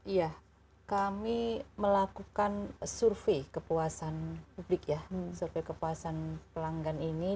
iya kami melakukan survei kepuasan publik ya survei kepuasan pelanggan ini